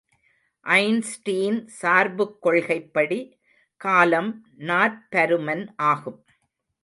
Einstein சார்புக் கொள்கைப்படி காலம் நாற்பருமன் ஆகும்.